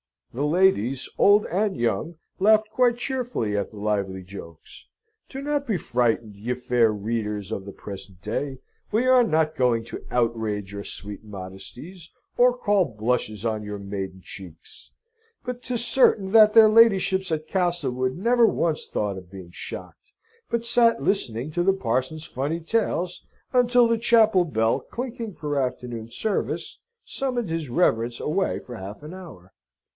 The ladies, old and young, laughed quite cheerfully at the lively jokes. Do not be frightened, ye fair readers of the present day! We are not going to outrage your sweet modesties, or call blushes on your maiden cheeks. But 'tis certain that their ladyships at Castlewood never once thought of being shocked, but sate listening to the parson's funny tales, until the chapel bell, clinking for afternoon service, summoned his reverence away for half an hour.